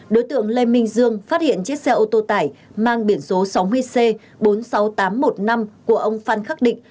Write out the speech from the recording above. đối tượng lê minh dương phát hiện chiếc xe ô tô tải mang biển số sáu mươi c bốn mươi sáu nghìn tám trăm một mươi năm của ông phan khắc định